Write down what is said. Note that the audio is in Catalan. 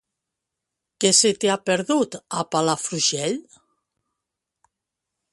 Què se t'hi ha perdut, a Palafrugell?